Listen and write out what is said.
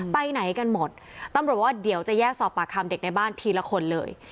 ไปไหนกันหมดตำรวจว่าเดี๋ยวจะแยกสอบปากคำเด็กในบ้านทีละคนเลย